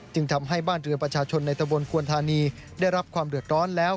ทำให้บ้านเรือประชาชนในตะบนควรธานีได้รับความเดือดร้อนแล้ว